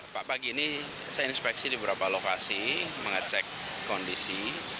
pak pagi ini saya inspeksi di beberapa lokasi mengecek kondisi